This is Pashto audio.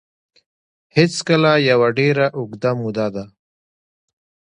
هېڅکله یوه ډېره اوږده موده ده